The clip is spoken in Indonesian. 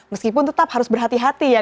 meskipun tetap harus berhati hati ya